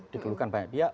dikelurkan banyak pihak